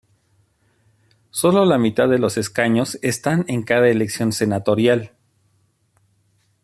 Solo la mitad de los escaños están en cada elección senatorial.